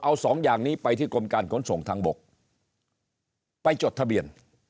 เอาสองอย่างนี้ไปที่กรมการขนส่งทางบกไปจดทะเบียน